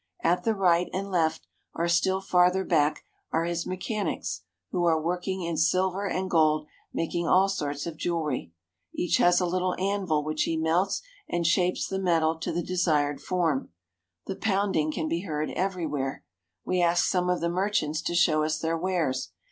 At the right and left, or still farther back, are his mechanics, who are working in silver and gold, making all sorts of jewellery. Each has a little anvil before him and a miniature furnace with a blow pipe, by which he melts and shapes the metal to the desired form. The pounding can be heard everywhere. We ask some of the merchants to show us their wares.